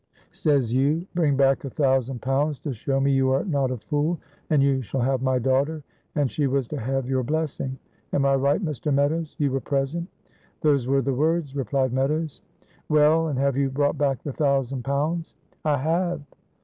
"Says you, 'Bring back a thousand pounds to show me you are not a fool, and you shall have my daughter,' and she was to have your blessing. Am I right, Mr. Meadows? you were present." "Those were the words," replied Meadows. "Well! and have you brought back the thousand pounds?" "I have."